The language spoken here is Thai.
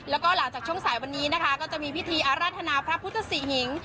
แล้วก็หลังจากช่วงสายวันนี้นะคะก็จะมีพิธีอาราธนาพระพุทธศรีหิง